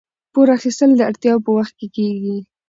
پور اخیستل د اړتیا په وخت کې کیږي.